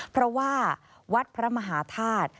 เพราะว่าวัดพระมหาธาตุ